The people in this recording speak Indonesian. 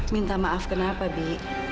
minta maaf kenapa bi